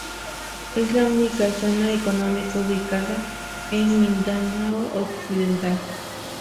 Es la única zona económica ubicada en Mindanao Occidental.